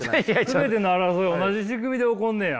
全ての争いは同じ仕組みで起こんねや。